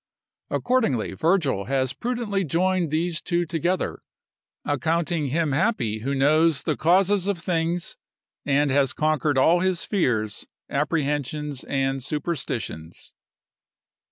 Accordingly, Virgil has prudently joined these two together, accounting him happy who knows the causes of things, and has conquered all his fears, apprehensions, and superstitions.